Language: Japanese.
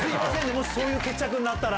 もしそういう決着になったら。